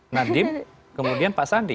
nadiem kemudian pak sandi